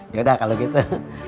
yaudah kalau gitu